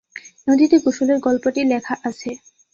নদীতে গোসলের গল্পটি লেখা আছে।